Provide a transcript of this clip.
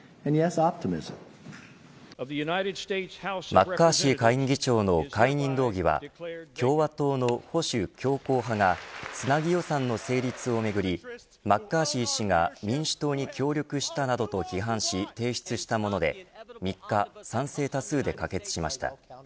マッカーシー下院議長の解任動議は共和党の保守強硬派がつなぎ予算の成立をめぐりマッカーシー氏が民主党に協力したなどと批判し提出したもので３日、賛成多数で可決しました。